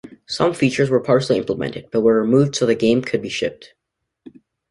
Some features were partially implemented, but were removed so the game could be shipped.